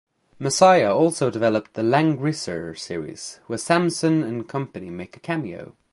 Masaya also developed the "Langrisser" series, where Samson and company make a cameo.